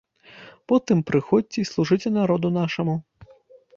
Потым прыходзьце і служыце народу нашаму.